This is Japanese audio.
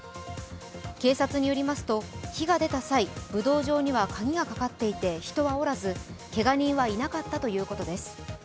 警察によりますと火が出た際武道場には鍵がかかっていて人はおらずけが人はいなかったということです。